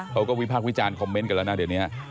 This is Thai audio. เขาก็วิภาควิจารณ์คอมเมนต์กันแล้วนะเดี๋ยวเนี่ย